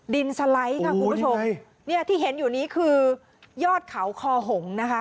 ดินสไลด์ค่ะคุณผู้ชมเนี่ยที่เห็นอยู่นี้คือยอดเขาคอหงนะคะ